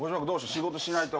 仕事しないと。